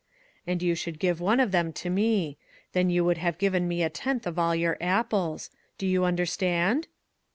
"And you should give one of them to me; then you would have given me a tenth of all your apples. Do you understand